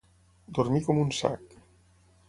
Dormir com un sac.